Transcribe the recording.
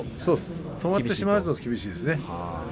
止まってしまうと厳しいですね。